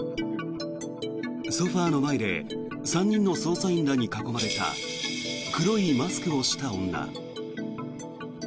ソファの前で３人の捜査員らに囲まれた黒いマスクをした女。